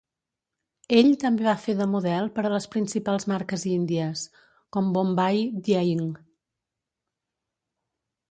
Ell també va fer de model per a les principals marques índies, com Bombay Dyeing.